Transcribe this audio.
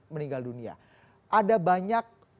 meninggal dunia ada banyak